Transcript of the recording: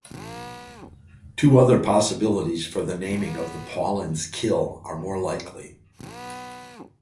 Two other possibilities for the naming of the Paulins Kill are more likely.